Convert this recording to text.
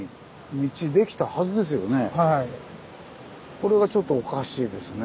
これがちょっとおかしいですね。